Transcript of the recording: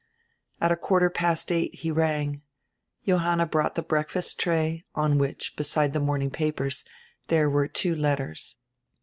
At a quarter past eight he rang. Johanna brought die breakfast tray, on which, beside the morning papers, diere were two letters.